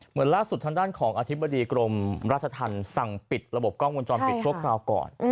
เหมือนล่าสุดทางด้านของอธิบดีกรมราชธรรมสั่งปิดระบบกล้องวงจรปิดชั่วคราวก่อน